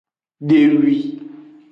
Dehwi.